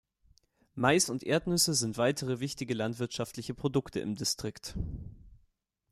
Mais und Erdnüsse sind weitere wichtige landwirtschaftliche Produkte im Distrikt.